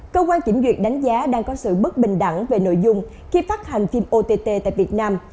cơ quan kiểm duyệt đánh giá đang có sự bất bình đẳng về nội dung khi phát hành phim ott tại việt nam